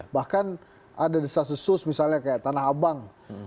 bahkan ada desa sesus misalnya kayak tanah abang